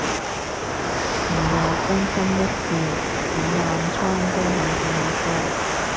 係啊，真心一試，我暗瘡都好咗好多